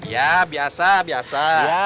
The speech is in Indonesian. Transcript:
ya biasa biasa